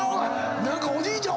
何かおじいちゃん